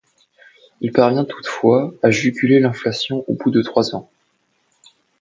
Il parvient toutefois à juguler l'inflation au bout de trois ans.